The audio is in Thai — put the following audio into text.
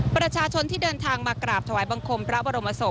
ประชาชนที่เดินทางมากราบถวายบังคมพระบรมศพ